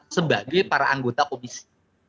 sebagai para anggota komisi